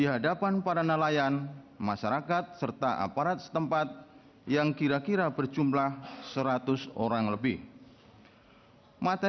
adalah sebagai berikut